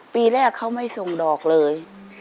ปีแรกเขาไม่ส่งดอกเลย